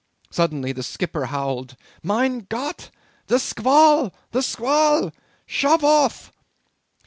Suddenly the skipper howled 'Mein Gott! The squall! The squall! Shove off!